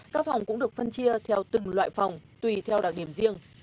các phòng cũng được phân chia theo từng loại phòng tùy theo đặc điểm riêng